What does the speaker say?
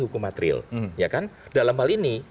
hukum matril dalam hal ini